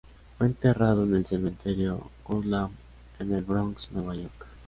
Fue enterrado en el Cementerio Woodlawn, en El Bronx, Nueva York.